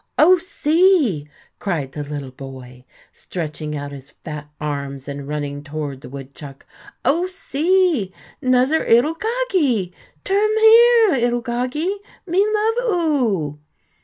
"Oh, see!" cried the little boy, stretching out his fat arms and running toward the woodchuck, "oh, see, 'nuzzer 'ittle goggie! Turn here, 'ittle goggie, me love oo!"